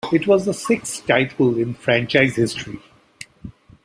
It was the sixth title in franchise history.